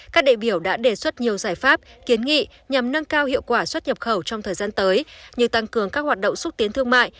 các đại biểu đã đề xuất nhiều giải pháp kiến nghị nhằm nâng cao hiệu quả xuất nhập khẩu trong thời gian tới như tăng cường các hoạt động xúc tiến thương mại